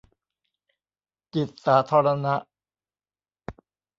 จิตสาธารณะ